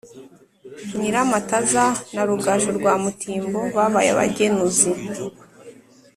Nyiramataza na Rugaju rwa Mutimbo babaye abagenuzi